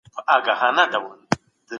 که په سکرین باندې دوړې وي.